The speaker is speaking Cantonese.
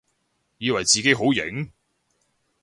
以為自己好型？